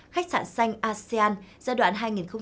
khách sạn xanh asean giai đoạn hai nghìn một mươi sáu